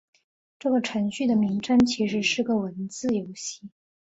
这个程序的名称其实是个文字游戏。